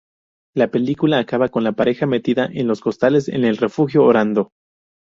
La película acaba con la pareja metida en los costales en el refugio, orando.